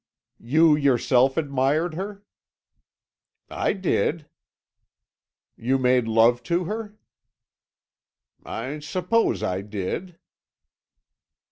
"You yourself admired her?" "I did." "You made love to her?" "I suppose I did."